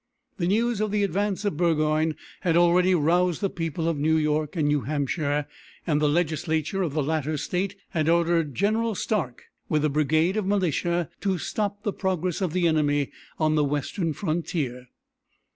The news of the advance of Burgoyne had already roused the people of New York and New Hampshire, and the legislature of the latter State had ordered General Stark with a brigade of militia to stop the progress of the enemy on the western frontier.